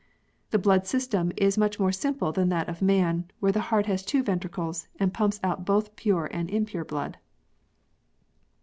The blood system is much more simple than that of man, where the heart has two ventricles, and pumps out both pure and impure blood.